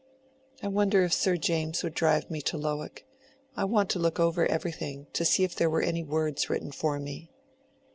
"I wonder if Sir James would drive me to Lowick. I want to look over everything—to see if there were any words written for me."